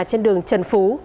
trên đường trần phú